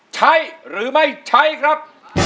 ใช้หรือไม่ใช้ครับ